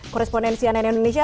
korespondensi nni indonesia